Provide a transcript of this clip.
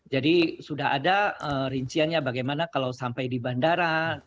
jadi sudah ada rinciannya bagaimana kalau sampai di bandara